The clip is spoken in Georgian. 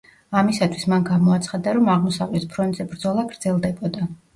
ამისათვის მან გამოაცხადა, რომ აღმოსავლეთ ფრონტზე ბრძოლა გრძელდებოდა.